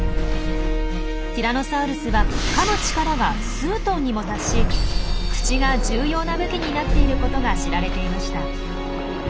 ティラノサウルスはかむ力が数トンにも達し口が重要な武器になっていることが知られていました。